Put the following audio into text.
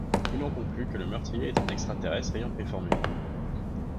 Il en conclut que le meurtrier est un extraterrestre ayant pris forme humaine.